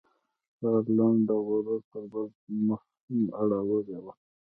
ښار لنډه غرو پر بل مفهوم اړولې وه.